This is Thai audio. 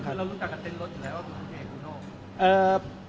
แล้วรู้จักกับเต็นรถอยู่แล้วหรือเป็นใครคุณโทษ